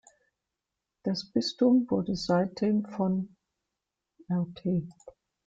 Das Bistum wurde seitdem von Rt.